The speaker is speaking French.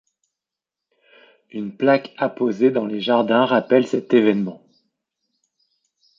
Une plaque apposée dans les jardins rappelle cet événement.